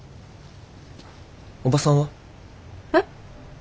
おばさんは？えっ？